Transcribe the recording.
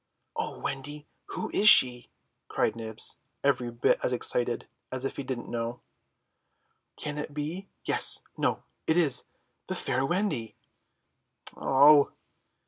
"O Wendy, who is she?" cried Nibs, every bit as excited as if he didn't know. "Can it be—yes—no—it is—the fair Wendy!" "Oh!"